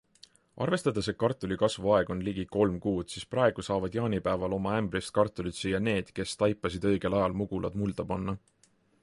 Arvestades, et kartuli kasvuaeg on ligi kolm kuud, siis praegu saavad jaanipäeval oma ämbrist kartulit süüa need, kes taipasid õigel ajal mugulad mulda panna.